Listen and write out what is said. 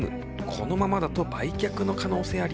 このままだと売却の可能性あり。